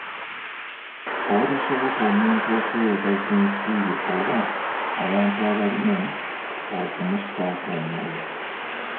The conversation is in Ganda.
Obutasoboka omuntu okweyagaza ensi ye oba abantu abalimu okumussaako omwoyo.